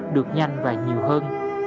được nhanh và nhiều hơn